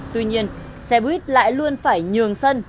tuy nhiên xe buýt lại luôn phải nhường sân